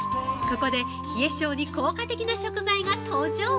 ここで冷え性に効果的な食材が登場。